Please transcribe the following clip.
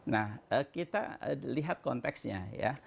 nah kita lihat konteksnya ya